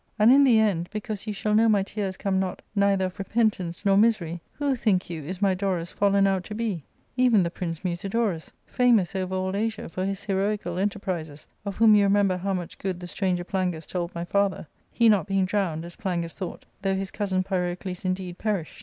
" And in the end, because you shall know my tears come not neither of repentance nor misery, who, think you, is my Dorus fallen out to be 1 Even the Prince Musidorus, famous over all Asia for his heroical enterprises, of whom you remember how much good the stranger Plangus told my father ; he not being drowned, as Plangus thought, though his cousin Pyrocles indeed perished.